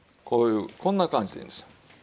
こういうこんな感じでいいんですよ。